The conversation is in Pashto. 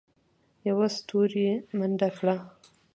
یوه ستوري منډه کړه.